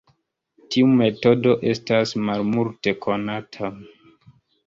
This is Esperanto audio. Tiu metodo estas malmulte konata.